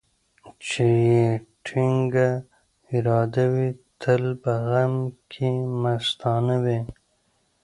چي يې ټينگه اراده وي ، تل په غم کې مستانه وي.